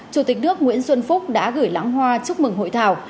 chủ tịch nước nguyễn xuân phúc đã gửi lãng hoa chúc mừng hội thảo